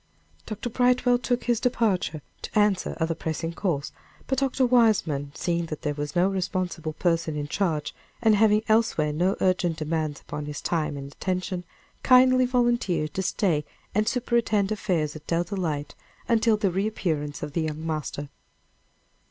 Dr. Brightwell took his departure, to answer other pressing calls. But Dr. Weismann, seeing that there was no responsible person in charge, and having elsewhere no urgent demands upon his time and attention, kindly volunteered to stay and superintend affairs at Dell Delight, until the reappearance of the young master.